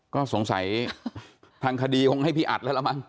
ก็สงสัยทางคดีคงให้พี่อัดแล้วละมั